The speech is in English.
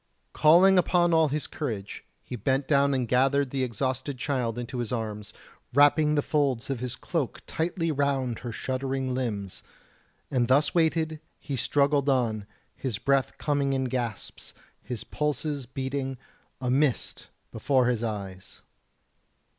Calling upon all his courage, he bent down and gathered the exhausted child into his arms, wrapping the folds of his cloak tightly round her shuddering limbs; and thus weighted he struggled on, his breath coming in gasps, his pulses beating, a mist before his eyes.